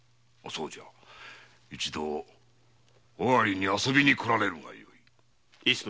そうじゃ一度尾張に遊びに来られるがよい。